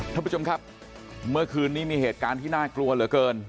ท่านผู้ชมครับเมื่อคืนนี้มีเหตุการณ์ที่น่ากลัวเหลือเกิน